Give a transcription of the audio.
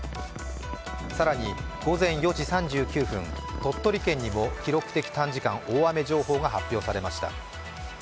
更に午前４時３９分、鳥取県にも記録的短時間大雨情報が発表されました。